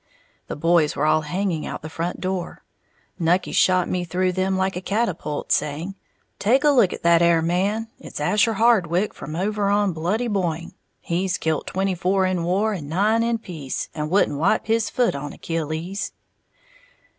The boys were all hanging out the front door. Nucky shot me through them like a catapult, saying, "Take a look at that 'ere man, it's Asher Hardwick, from over in Bloody Boyne. He's kilt twenty four in war, and nine in peace, and wouldn't wipe his foot on Achilles!"